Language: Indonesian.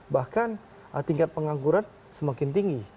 bahkan tingkat pengangguran semakin tinggi